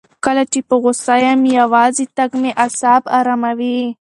کله چې زه په غوسه یم، یوازې تګ مې اعصاب اراموي.